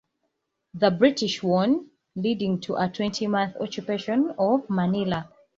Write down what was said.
The British won, leading to a twenty month occupation of Manila.